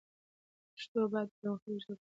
پښتو باید د پرمختګ ژبه شي.